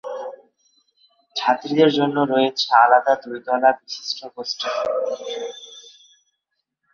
ছাত্রীদের জন্য রয়েছে আলাদা দুই তলা বিশিষ্ট হোস্টেল।